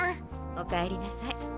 おかえりなさい。